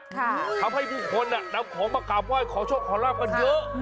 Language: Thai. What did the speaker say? ทำให้ผู้คนนำของมากราบไหว้ขอโชคขอลาบกันเยอะ